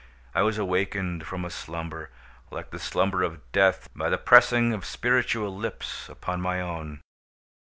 I was awakened from a slumber, like the slumber of death, by the pressing of spiritual lips upon my own.